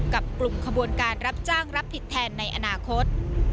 กับกลุ่มขบวนการรับจ้างรับผิดแทนในอนาคต